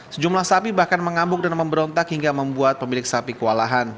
sejumlah sapi bahkan mengamuk dan memberontak hingga membuat pemilik sapi kewalahan